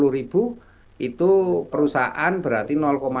satu ratus lima puluh ribu itu perusahaan berarti dua puluh lima